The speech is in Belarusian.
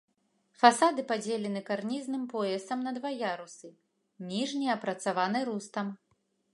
Фасады падзелены карнізным поясам на два ярусы, ніжні апрацаваны рустам.